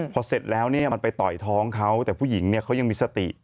พอเสร็จแล้วเนี่ยมันไปต่อยท้องเขาแต่ผู้หญิงเนี่ยเขายังมีสติ